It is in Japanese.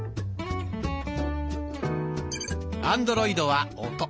アンドロイドは「音」。